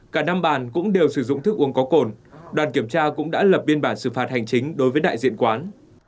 cả năm bàn cũng đều sử dụng thức uống có cồn đoàn kiểm tra cũng đã lập biên bản xử phạt hành chính đối với đại diện quán